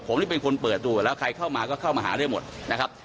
ผมนี่เป็นคนเปิดดูแล้วใครเข้ามาก็เข้ามาหาได้หมดนะครับ